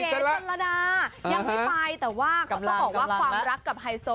ชนระดายังไม่ไปแต่ว่าเขาต้องบอกว่าความรักกับไฮโซ